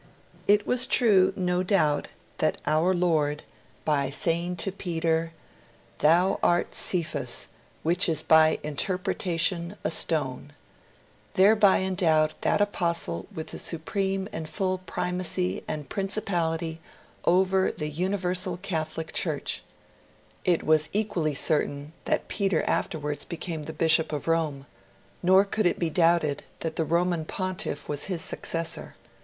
It was true, no doubt, that Our Lord, by saying to Peter, 'Thou art Cephas, which is by interpretation a stone', thereby endowed that Apostle with the supreme and full primacy and principality over the Universal Catholic Church; it was equally certain that Peter afterwards became the Bishop of Rome; nor could it be doubted that the Roman Pontiff was his successor.